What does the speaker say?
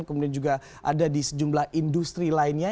kemudian juga ada di sejumlah industri lainnya